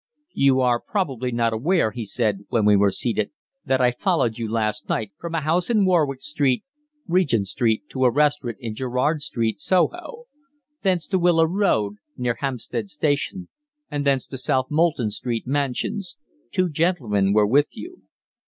"You are probably not aware," he said, when we were seated, "that I followed you last night from a house in Warwick Street, Regent Street, to a restaurant in Gerrard Street, Soho; thence to Willow Road, near Hampstead Station; and thence to South Molton Street Mansions. Two gentlemen were with you."